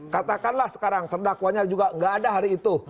katakanlah sekarang terdakwanya juga nggak ada hari itu